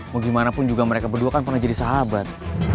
mau gimana pun juga mereka berdua kan pernah jadi sahabat